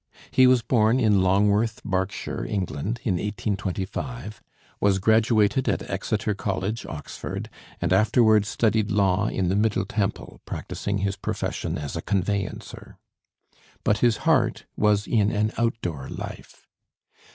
He was born in Longworth, Berkshire, England, in 1825, was graduated at Exeter College, Oxford, and afterwards studied law in the Middle Temple, practicing his profession as a conveyancer. But his heart was in an outdoor life.